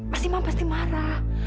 mas imam pasti marah